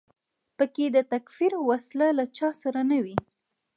په کې د تکفیر وسله له چا سره نه وي.